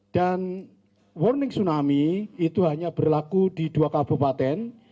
dan warning tsunami itu hanya berlaku di dua kabupaten